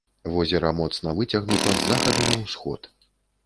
Возера моцна выцягнута з захаду на ўсход.